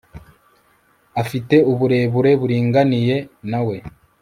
Afite uburebure buringaniye nawe